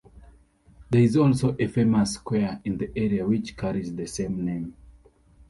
There is also a famous square in the area which carries the same name.